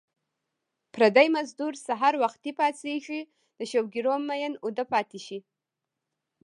پردی مزدور سحر وختي پاڅېږي د شوګیرو مین اوده پاتې شي